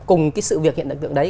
cùng cái sự việc hiện đại tượng đấy